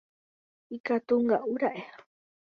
Ikatunga'ura'e